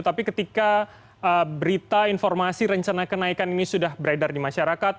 tapi ketika berita informasi rencana kenaikan ini sudah beredar di masyarakat